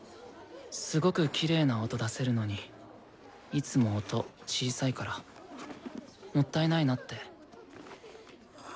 すごくきれいな音出せるのにいつも音小さいからもったいないなって。